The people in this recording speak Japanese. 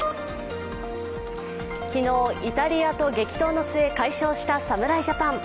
昨日、イタリアと激闘の末快勝した侍ジャパン。